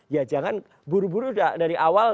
ya jangan buru buru dari awal